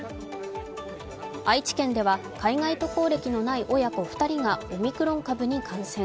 愛知県では海外渡航歴のない親子２人がオミクロン株に感染。